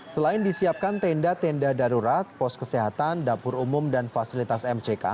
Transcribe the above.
selain disiapkan tenda tenda darurat pos kesehatan dapur umum dan fasilitas mck